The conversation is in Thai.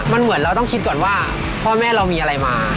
มันเหมือนเราต้องคิดก่อนว่าพ่อแม่เรามีอะไรมา